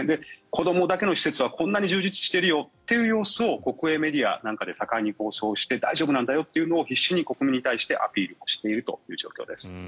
子どもだけの施設はこんなに充実してるよという様子が国営メディアで盛んに流して大丈夫なんだよというのを必死に国民にアピールしている状況です。